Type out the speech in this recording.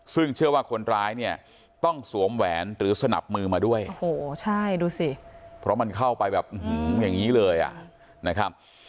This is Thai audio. ซึ่งเชื่อว่าคนร้ายเนี่ยต้องสวมแหวนหรือสนับมือมาด้วยโอ้โหใช่ดูสิเพราะมันเข้าไปแบบอย่างนี้เลยอ่ะนะครับ